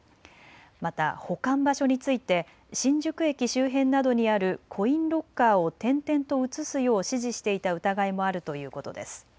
また保管場所について新宿駅周辺などにあるコインロッカーを転々と移すよう指示していた疑いもあるということです。